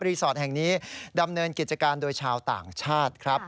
สอร์ทแห่งนี้ดำเนินกิจการโดยชาวต่างชาติครับ